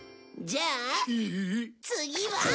じゃあ次は。